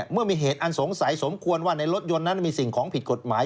เมื่อมีเหตุอันสงสัยสมควรว่าในรถยนต์นั้นมีสิ่งของผิดกฎหมาย